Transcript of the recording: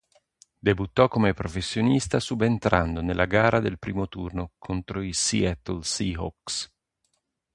Debuttò come professionista subentrando nella gara del primo turno contro i Seattle Seahawks.